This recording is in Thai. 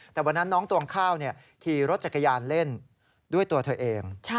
แต่วันนั้นน้องตวงข้าวขี่รถจักรยานเล่นด้วยตัวเธอเอง